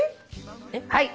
はい。